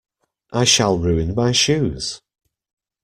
I shall ruin my shoes.